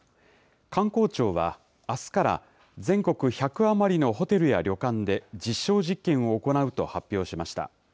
観光庁はあすから、全国１００余りのホテルや旅館で実証実験を行うと発表しました。